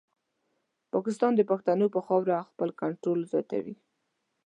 پاکستان د پښتنو پر خاوره خپل کنټرول زیاتوي.